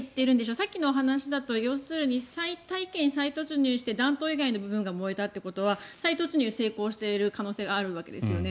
さっきの話だと要するに、大気圏に再突入して弾頭部分が燃えたということが再突入に成功している可能性があるわけですよね。